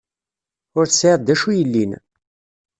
Ur tesεiḍ d acu yellin.